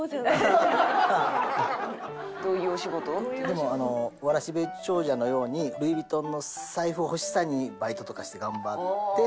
でも『わらしべ長者』のようにルイ・ヴィトンの財布欲しさにバイトとかして頑張って。